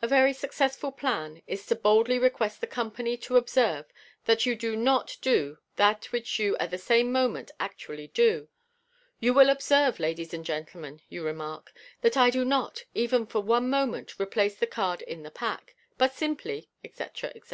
A very successful plan is to boldly request the company to observe that you do not do that which you at the same moment actually do. "You will observe, ladies and gentlemen," you remark, "that I do not, even for one moment, replace the card in the pack, but simply,'' etc., etc.